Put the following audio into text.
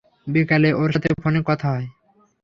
বিকালে ওর সাথে ফোনে কথা হয়।